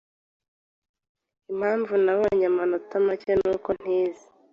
Impamvu nabonye amanota mabi nuko ntize.